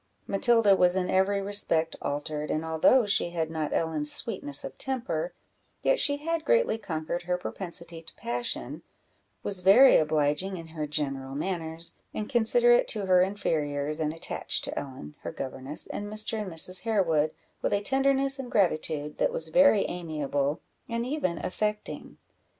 Matilda was in every respect altered, and although she had not Ellen's sweetness of temper, yet she had greatly conquered her propensity to passion, was very obliging in her general manners, and considerate to her inferiors, and attached to Ellen, her governess, and Mr. and Mrs. Harewood, with a tenderness and gratitude that was very amiable and even affecting.